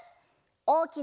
「おおきな